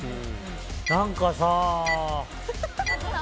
何かさ。